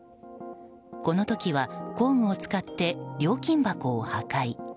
この時は工具を使って料金箱を破壊。